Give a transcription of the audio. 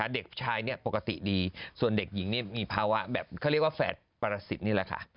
เด็กชายปกติดีส่วนเด็กหญิงนี่มีภาวะแบบเขาเรียกว่าแฝดประสิทธิ์นี่แหละค่ะ